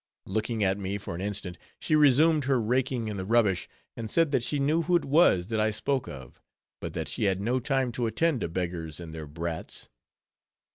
Looking at me for an instant, she resumed her raking in the rubbish, and said that she knew who it was that I spoke of; but that she had no time to attend to beggars and their brats.